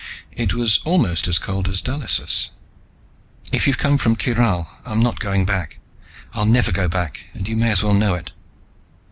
It was almost as cold as Dallisa's. "If you've come from Kyral, I'm not going back. I'll never go back, and you may as well know it."